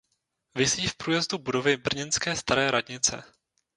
Visí v průjezdu budovy brněnské Staré radnice.